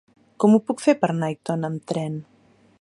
Com ho puc fer per anar a Aitona amb tren?